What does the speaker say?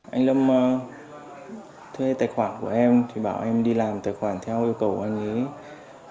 anh lâm thuê tài khoản của em thì bảo em đi làm tài khoản theo yêu cầu của anh ấy